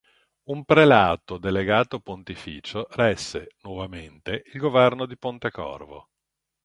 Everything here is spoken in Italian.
Un prelato delegato pontificio resse, nuovamente, il governo di Pontecorvo.